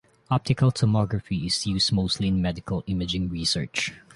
Optical tomography is used mostly in medical imaging research.